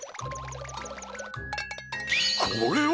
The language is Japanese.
これは！